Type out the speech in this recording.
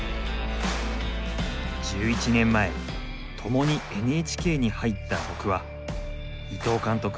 １１年前共にＮＨＫに入った僕は伊藤監督